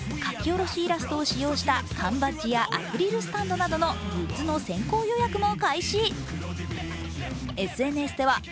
下ろしイラストを使用した缶バッチやアクリルスタンドなどのグッズの先行予約も開始。